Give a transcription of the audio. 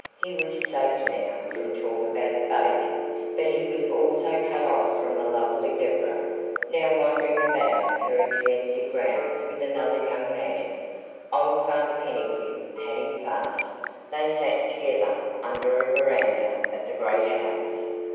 He was safe now from talk about the baby; but he was also cut off from the lovely Deborah, now wandering about her extensive grounds with another young man. Old Father Pennycuick had him fast. They sat together under a verandah of the great house.